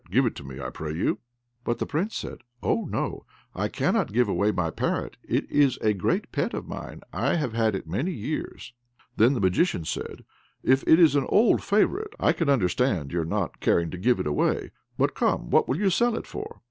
Give it to me, I pray you." But the Prince answered, "Oh no, I cannot give away my parrot, it is a great pet of mine; I have had it many years." Then the Magician said, "If it is an old favourite, I can understand your not caring to give it away; but come what will you sell it for?"